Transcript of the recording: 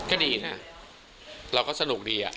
ก็ดีนะเราก็สนุกดี